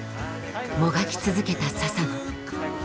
もがき続けた佐々野。